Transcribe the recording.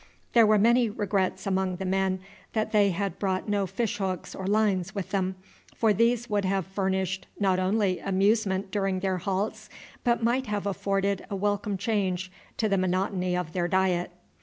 There were many regrets among the men that they had brought no fish hooks or lines with them, for these would have furnished not only amusement during their halts, but might have afforded a welcome change to the monotony of their diet.